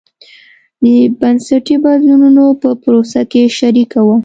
د بنسټي بدلونونو په پروسه کې شریکه وه.